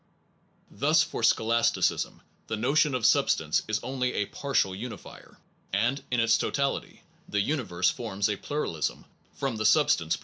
Thus, for scholasticism, the notion of substance is only a partial unifier, and in its totality, the universe forms a plural ism from the substance point of view.